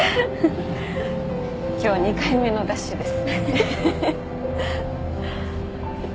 今日２回目のダッシュです。